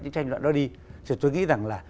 cái tranh luận đó đi thì tôi nghĩ rằng là